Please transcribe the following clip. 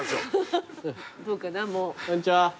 こんにちは。